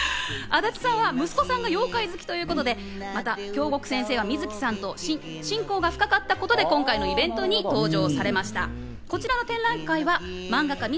安達さんは息子さんが妖怪好きということで、また京極先生は水木さんと親交が深かったということで今回のイベントに登場したんです。